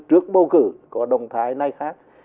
trước bầu cử có động thái này khác